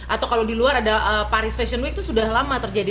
atau kalau di luar ada paris fashion week itu sudah lama terjadi